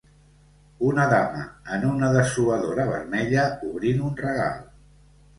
Una dama en una dessuadora vermella obrint un regal.